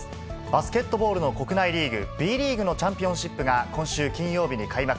バスケットボールの国内リーグ、Ｂリーグのチャンピオンシップが、今週金曜日に開幕。